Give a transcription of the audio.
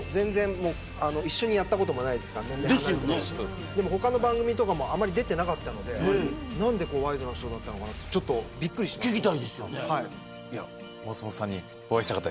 一緒にやったこともないですから年齢離れてますし他の番組とかもあんまり出ていなかったので何でワイドナショーだったのかちょっとびっくりしました。